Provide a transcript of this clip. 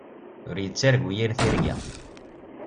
Ur yettargu yir tirga.